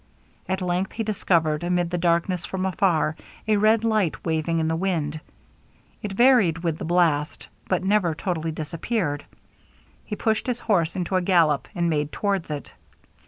At length he discerned, amid the darkness from afar, a red light waving in the wind: it varied with the blast, but never totally disappeared. He pushed his horse into a gallop, and made towards it.